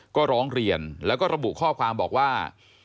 ก็ร้องเรียนแล้วก็ระบุข้อความบอกว่า